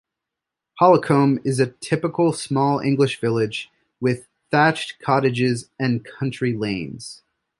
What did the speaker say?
Holcombe is a typical small English village, with thatched cottages and country lanes.